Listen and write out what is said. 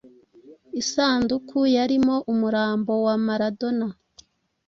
Isanduku yarimo umurambo wa Maradona